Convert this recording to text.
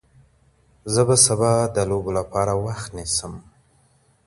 زه به سبا د لوبو لپاره وخت نيسم وم.